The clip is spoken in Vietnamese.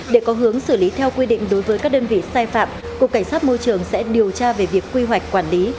để có hướng xử lý theo quy định đối với các đơn vị sai phạm cục cảnh sát môi trường sẽ điều tra về việc quy hoạch quản lý